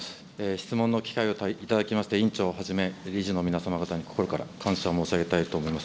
質問の機会を頂きまして、委員長はじめ、理事の皆様方に心から感謝申し上げたいと思います。